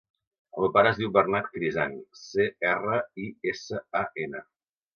El meu pare es diu Bernat Crisan: ce, erra, i, essa, a, ena.